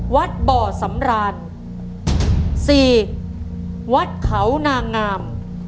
วัดบ่อสำรานสี่วัดเขานางงาม